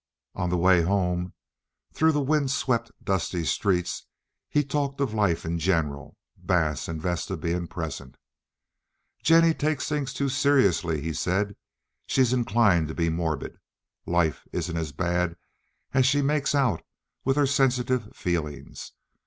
On the way home, through the wind swept, dusty streets, he talked of life in general, Bass and Vesta being present. "Jennie takes things too seriously," he said. "She's inclined to be morbid. Life isn't as bad as she makes out with her sensitive feelings.